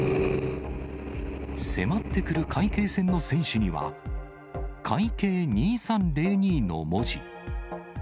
迫ってくる海警船の船首には、海警２３０２の文字。